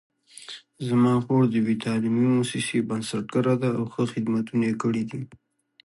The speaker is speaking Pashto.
زما خور د یوې تعلیمي مؤسسې بنسټګره ده او ښه خدمتونه یې کړي دي